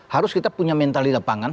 harus kita punya mental di lapangan